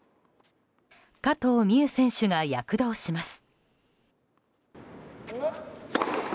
加藤未唯選手が躍動します。